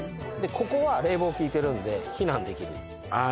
ここは冷房効いてるんで避難できるああ